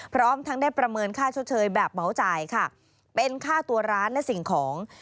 พร้อมทั้งได้ประเมินค่าชดเชยแบบเหมาจ่ายค่ะเป็นค่าตัวร้านและสิ่งของ